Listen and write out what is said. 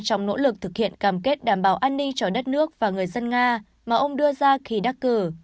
trong nỗ lực thực hiện cam kết đảm bảo an ninh cho đất nước và người dân nga mà ông đưa ra khi đắc cử